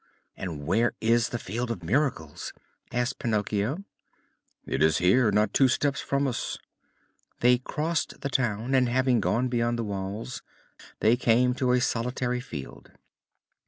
"And where is the Field of Miracles?" asked Pinocchio. "It is here, not two steps from us." They crossed the town and, having gone beyond the walls, they came to a solitary field.